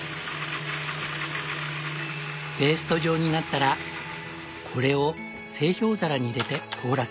ペースト状になったらこれを製氷皿に入れて凍らせる。